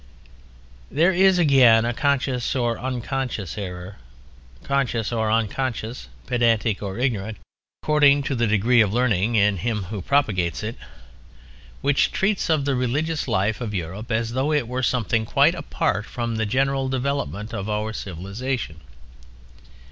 There is, again, a conscious or unconscious error (conscious or unconscious, pedantic or ignorant, according to the degree of learning in him who propagates it) which treats of the religious life of Europe as though it were something quite apart from the general development of our civilization.